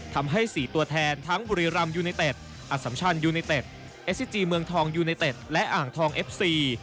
ทำให้๔ตัวแทนทั้งบุรีรำยูไนเต็ดอสัมชันยูเนเต็ดเอสซิจีเมืองทองยูเนเต็ดและอ่างทองเอฟซี